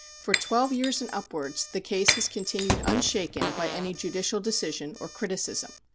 For twelve years and upwards the case has continued unshaken by any judicial decision or criticism."